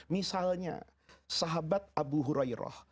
misalnya sahabat abu hurairah